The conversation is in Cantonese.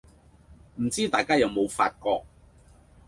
唔知大家有冇發覺